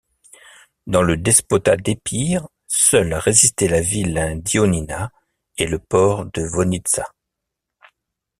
Dans le despotat d’Épire, seuls résistaient la ville d’Ioannina et le port de Vonitsa.